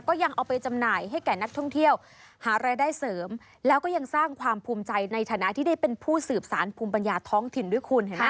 ก็ยังเอาไปจำหน่ายให้แก่นักท่องเที่ยวหารายได้เสริมแล้วก็ยังสร้างความภูมิใจในฐานะที่ได้เป็นผู้สืบสารภูมิปัญญาท้องถิ่นด้วยคุณเห็นไหม